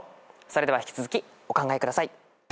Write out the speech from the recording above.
それでは引き続きお考えください。